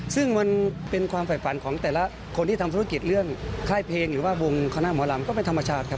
ซึ่งมันเป็นความฝ่ายฝันของแต่ละคนที่ทำธุรกิจเรื่องค่ายเพลงหรือว่าวงคณะหมอลำก็เป็นธรรมชาติครับ